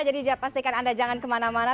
jadi pastikan anda jangan kemana mana